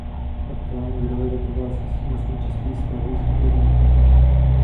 Aktuální virové databáze se dnes nejčastěji stahují z Internetu.